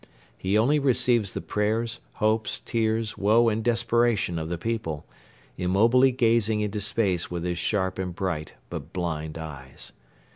He only receives the prayers, hopes, tears, woe and desperation of the people, immobilely gazing into space with his sharp and bright but blind eyes.